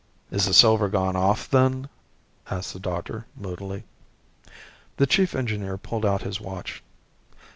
"Is the silver gone off, then?" asked the doctor, moodily. The chief engineer pulled out his watch.